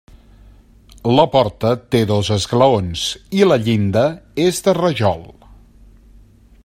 La porta té dos esglaons i la llinda és de rajol.